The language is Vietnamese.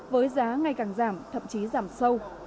với giá ngày càng giảm thậm chí giảm sâu